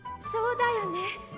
そうだよね。